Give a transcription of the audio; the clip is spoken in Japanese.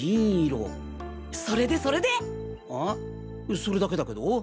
それだけだけど？